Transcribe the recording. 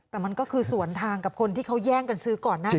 แต่มันก็คือสวนทางกับคนที่เขาแย่งกันซื้อก่อนหน้า